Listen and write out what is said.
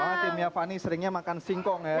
karena timnya fani seringnya makan singkong ya